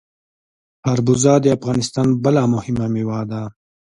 خربوزه د افغانستان بله مهمه میوه ده.